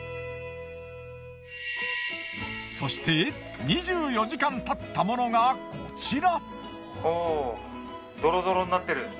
そして２４時間経ったものがこちら。